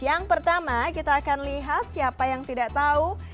yang pertama kita akan lihat siapa yang tidak tahu